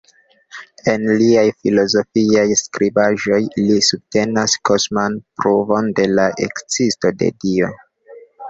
En liaj filozofiaj skribaĵoj li subtenas kosman pruvon de la ekzisto de Dio.